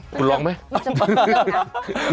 คุณร้องไหม